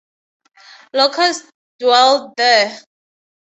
Locusts dwelled there.